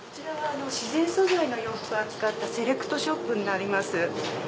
自然素材の洋服を扱ったセレクトショップになります。